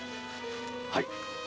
はい。